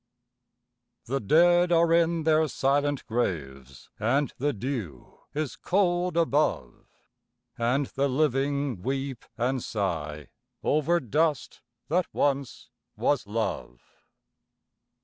The dead are in their silent graves, And the dew is cold above, And the living weep and sigh, Over dust that once was love.